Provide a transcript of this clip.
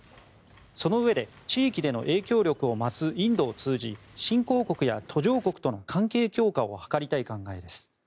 そのうえで、地域での影響力を増すインドを通じ新興国や途上国との関係強化を図りたい考えです。